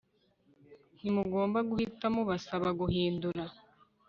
Ntimugomba guhita mubasaba guhindura